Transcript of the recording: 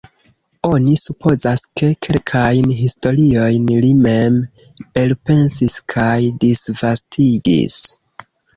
Oni supozas, ke kelkajn historiojn li mem elpensis kaj disvastigis.